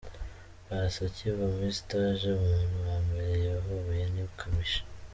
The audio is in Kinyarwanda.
Paccy akiva kuri stage, umuntu wa mbere yahobeye ni Kamichi.